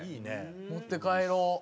持って帰ろう。